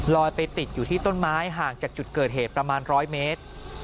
ไปติดอยู่ที่ต้นไม้ห่างจากจุดเกิดเหตุประมาณ๑๐๐เมตร